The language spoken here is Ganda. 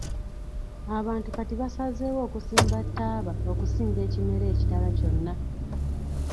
Abantu kati basazeewo okusimba ttaaba okusinga ekimera ekirala kyonna.